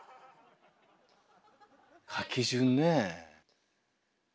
書き順ねぇ。